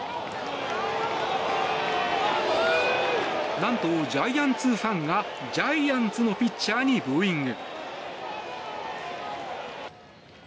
何とジャイアンツファンがジャイアンツのピッチャーにブーイング。